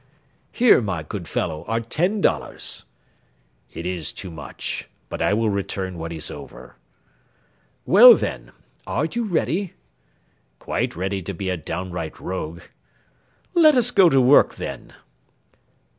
"Here, my good fellow, are ten dollars." "It is too much, but I will return what is over." "Well, then, are you ready?" "Quite ready to be a downright rogue." "Let us go to work, then."